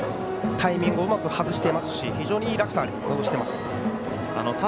タイミングをうまく外していますし非常に落差がありました。